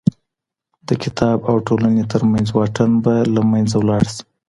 د کتاب او ټولني تر منځ واټن به له منځه لاړ سي.